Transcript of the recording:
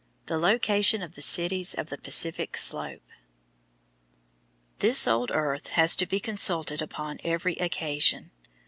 THE LOCATION OF THE CITIES OF THE PACIFIC SLOPE This old earth has to be consulted upon every occasion.